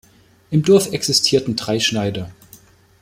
Im Dorf existierten drei Schneider.